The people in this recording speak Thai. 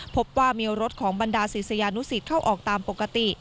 พบว่ามีรถของบรรดาศิษยานุสิตเข้าออกตามปกติ